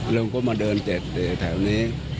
ลุงก็มาเดินเจ็ดถึงแถวนี้